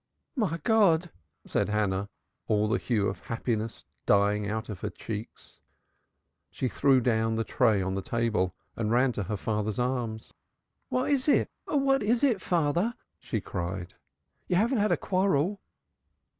"My God!" said Hannah, all the hue of happiness dying out of her cheeks. She threw down the tray on the table and ran to her father's arms. "What is it! Oh, what is it, father?" she cried. "You haven't had a quarrel?"